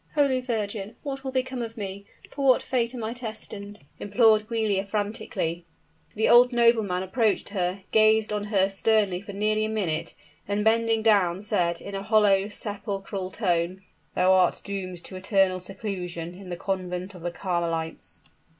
"Holy Virgin, what will become of me? For what fate am I destined?" implored Giulia, frantically. The old nobleman approached her, gazed on her sternly for nearly a minute, then bending down said, in a hollow, sepulchral tone: "Thou art doomed to eternal seclusion in the convent of the Carmelites!"